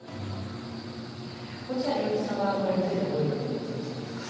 落合陽一さんは、これについてどう見てらっしゃいますか？